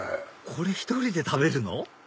これ１人で食べるの？